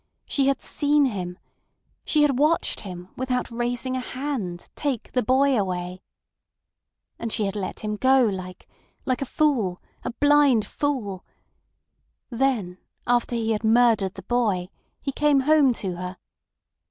She had seen him. She had watched him, without raising a hand, take the boy away. And she had let him go, like—like a fool—a blind fool. Then after he had murdered the boy he came home to her.